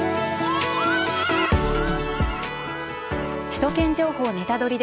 「首都圏情報ネタドリ！」